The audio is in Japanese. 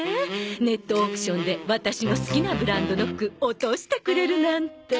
ネットオークションでワタシの好きなブランドの服落としてくれるなんて。